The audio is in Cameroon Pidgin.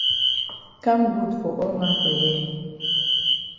Kam good for all man for here.